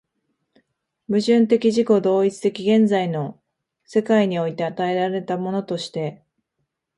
矛盾的自己同一的現在の世界において与えられたものとして、